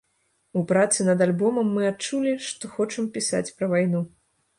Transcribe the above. У працы над альбомам мы адчулі, што хочам пісаць пра вайну.